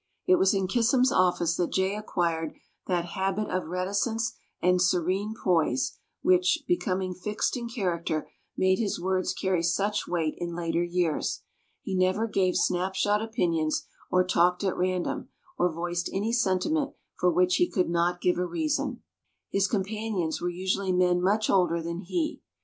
It was in Kissam's office that Jay acquired that habit of reticence and serene poise which, becoming fixed in character, made his words carry such weight in later years. He never gave snapshot opinions, or talked at random, or voiced any sentiment for which he could not give a reason. His companions were usually men much older than he.